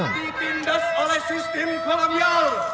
ditindas oleh sistem kolonial